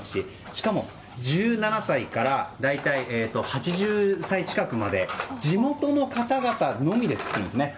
しかも１７歳から大体、８０歳近くまで地元の方々のみで作るんですね。